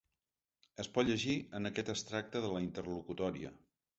Es pot llegir en aquest extracte de la interlocutòria.